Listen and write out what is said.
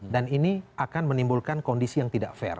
dan ini akan menimbulkan kondisi yang tidak fair